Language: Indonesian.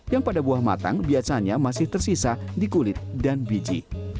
yang pada buah matang biasanya masih tersisa di kulit dan biji